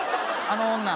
あの女